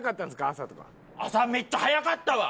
朝めっちゃ早かったわ。